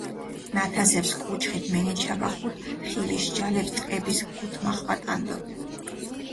ნათასეფს კუჩხით მინიჩაბახუდჷ, ხილიშ ჯალეფს ტყების გუთმახვატანდჷ.